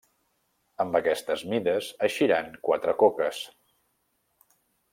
Amb aquestes mides eixiran quatre coques.